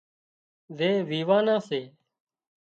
زي ويوان نا سي